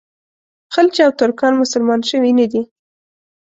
خلج او ترکان مسلمانان شوي نه دي.